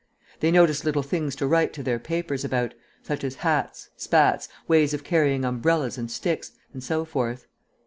They noticed little things to write to their papers about, such as hats, spats, ways of carrying umbrellas and sticks, and so forth.